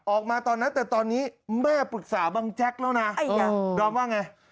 ตอนนั้นแต่ตอนนี้แม่ปรึกษาบังแจ๊กแล้วนะดอมว่าไง